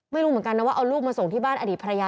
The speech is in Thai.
ไม่รู้เหมือนกันนะว่าเอาลูกมาส่งที่บ้านอดีตภรรยา